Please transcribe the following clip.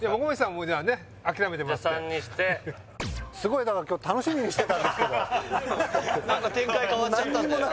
もうじゃあね諦めてもらってすごいだから今日楽しみにしてたんですけど何か展開変わっちゃったんだよな